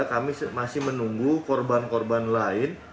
kami masih menunggu korban korban lain